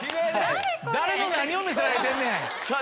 誰の何を見せられてんねん！